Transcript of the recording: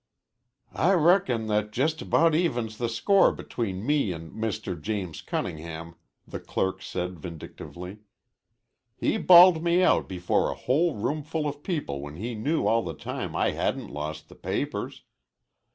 "I reckon that just about evens the score between me and Mr. James Cunningham," the clerk said vindictively. "He bawled me out before a whole roomful of people when he knew all the time I hadn't lost the papers.